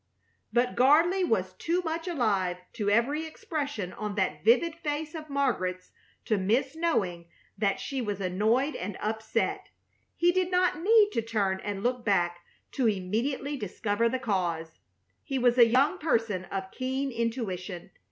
But Gardley was too much alive to every expression on that vivid face of Margaret's to miss knowing that she was annoyed and upset. He did not need to turn and look back to immediately discover the cause. He was a young person of keen intuition.